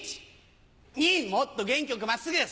もっと元気よく真っすぐ３！